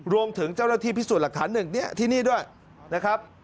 รวมถึงเจ้าหน้าที่พิสูจน์หลักฐาน๑เนี่ยที่นี่ด้วยนะครับ